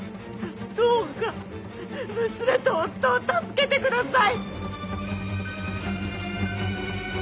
どうか娘と夫を助けてください！